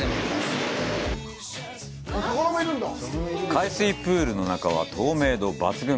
海水プールの中は透明度抜群！